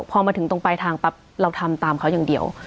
พอมาถึงตรงปลายทางปั๊บเราทำตามเขาอย่างเดียว